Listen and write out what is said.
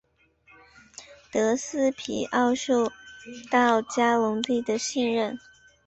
德斯皮奥受到嘉隆帝的信任。